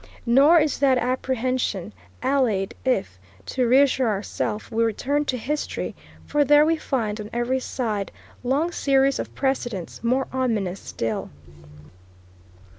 Nor is that apprehension allayed if, to reassure ourselves, we turn to history, for there we find on every side long series of precedents more ominous still.